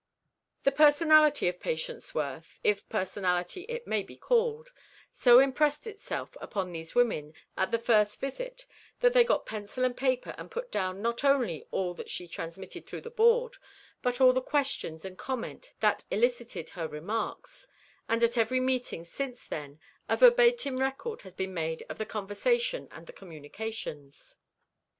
The personality of Patience Worth—if personality it may be called—so impressed itself upon these women, at the first visit, that they got pencil and paper and put down not only all that she transmitted through the board, but all the questions and comment that elicited her remarks; and at every meeting since then, a verbatim record has been made of the conversation and the communications.